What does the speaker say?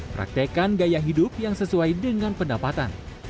praktekkan gaya hidup yang sesuai dengan pendapatan